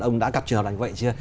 ông đã gặp trường hợp như vậy chưa